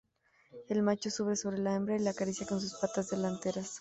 El macho sube sobre la hembra y la acaricia con sus patas delanteras.